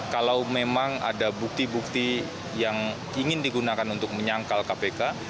kalau memang ada bukti bukti yang ingin digunakan untuk menyangkal kpk